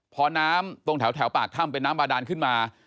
พอน้ำตรงแถวปากถ้ำเป็นน้ำบาดานขึ้นมา